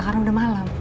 karena udah malam